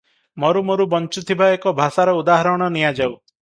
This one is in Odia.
ମରୁ ମରୁ ବଞ୍ଚୁଥିବା ଏକ ଭାଷାର ଉଦାହରଣ ନିଆଯାଉ ।